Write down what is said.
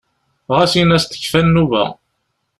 Ɣas in-as tekfa nnuba.